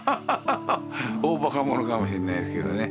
大バカ者かもしれないですけどね。